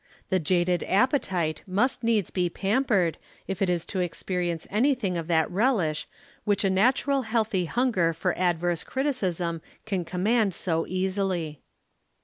The jaded appetite must needs be pampered if it is to experience anything of that relish which a natural healthy hunger for adverse criticism can command so easily.